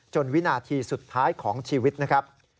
วินาทีสุดท้ายของชีวิตนะครับ